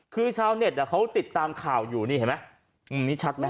คือชาวเน็ตเขาติดตามข่าวอยู่นี่เห็นมั้ยนี่ชัดมั้ย